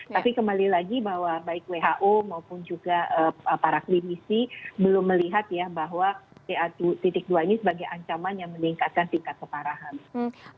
tapi kembali lagi bahwa baik who maupun juga para klinisi belum melihat ya bahwa pa dua ini sebagai ancaman yang meningkatkan tingkat keparahan